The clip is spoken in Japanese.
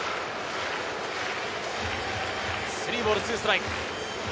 ３ボール２ストライク。